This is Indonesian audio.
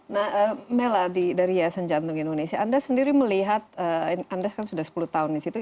nah meladi dari yayasan jantung indonesia anda sendiri melihat anda kan sudah sepuluh tahun di situ